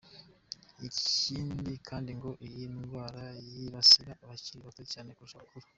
Ikindi kandi ngo iyi ndwara yibasira abakiri bato cyane kurusha abakuru.